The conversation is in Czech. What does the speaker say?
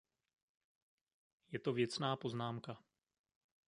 Je to věcná poznámka.